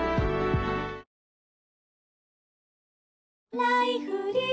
「ライフリー」